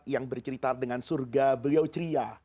yang bercerita dengan surga beliau ceria